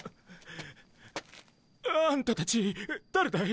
あんたたち誰だい？